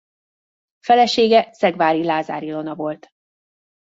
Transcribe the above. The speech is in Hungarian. Felesége szegvári Lázár Ilona volt.